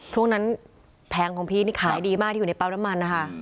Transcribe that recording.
ช่วงนั้นแผงของพี่นี่ขายดีมากที่อยู่ในปั๊มน้ำมันนะคะ